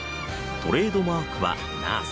トレードマークはナース。